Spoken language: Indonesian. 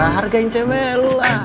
hargain cbl lah